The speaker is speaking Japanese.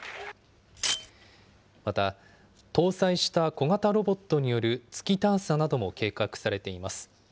また、搭載した小型ロボットによる月探査なども計画されています。